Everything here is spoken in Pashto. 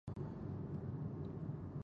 هلته نرخونه ټیټ وو او انتخابونه ډیر وو